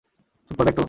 চুপ করবে একটু?